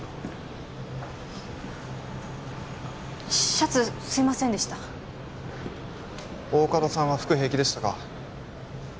シャツすいませんでした大加戸さんは服平気でしたか？